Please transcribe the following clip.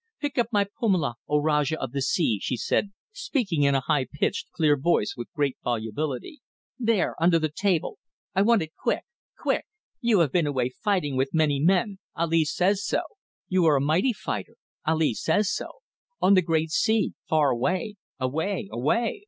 "Pick up my pumelo, O Rajah of the sea!" she said, speaking in a high pitched, clear voice with great volubility. "There, under the table. I want it quick! Quick! You have been away fighting with many men. Ali says so. You are a mighty fighter. Ali says so. On the great sea far away, away, away."